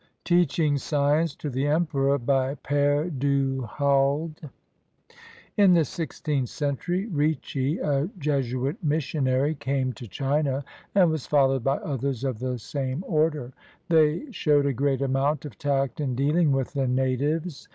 TEACHING SCIENCE TO THE EMPEROR BY PERE DU HALDE [In the sixteenth century, Ricci, a Jesuit missionary, came to China, and was followed by others of the same order. They showed a great amount of tact in dealing with the natives.